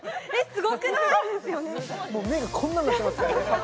もう目がこんなんなってますからね